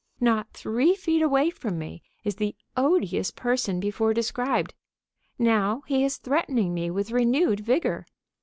Not three feet away from me is the odious person before described. Now he is threatening me with renewed vigor!